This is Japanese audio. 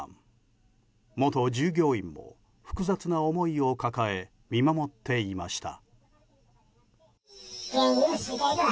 元従業員も複雑な思いを抱え見守っていました。